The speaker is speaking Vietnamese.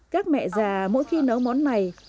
các mẹ già mỗi khi nấu món này